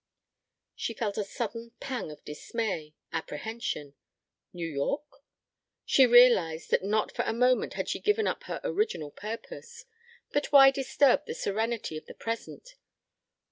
She felt a sudden pang of dismay, apprehension. New York? She realized that not for a moment had she given up her original purpose. But why disturb the serenity of the present?